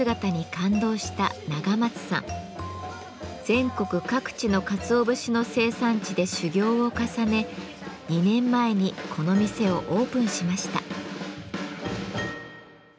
全国各地のかつお節の生産地で修業を重ね２年前にこの店をオープンしました。